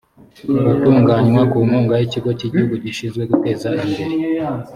gutunganywa ku nkunga y ikigo cy igihugu gishinzwe guteza imbere